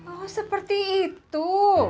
oh seperti itu